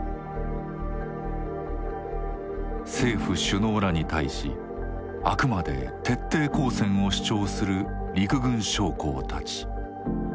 政府首脳らに対しあくまで徹底抗戦を主張する陸軍将校たち。